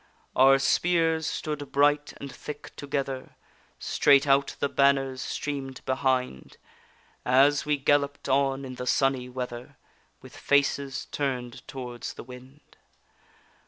Our spears stood bright and thick together, Straight out the banners stream'd behind, As we gallop'd on in the sunny weather, With faces turn'd towards the wind.